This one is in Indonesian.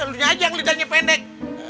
lunyi aji yang lidahnya pendek